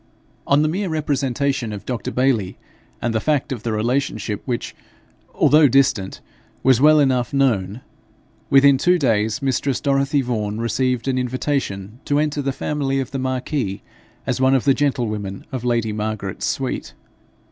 On the mere representation of Dr. Bayly, and the fact of the relationship, which, although distant, was well enough known, within two days mistress Dorothy Vaughan received an invitation to enter the family of the marquis, as one of the gentlewomen of lady Margaret's suite.